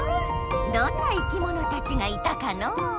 どんないきものたちがいたかのう？